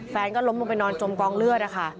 แฟนก็ล้มลงไปนอนจมกองเลือดนะคะ